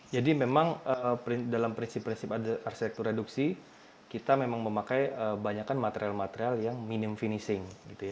jadi memang dalam prinsip prinsip arsitektur reduksi kita memang memakai banyakkan material material yang minimum finishing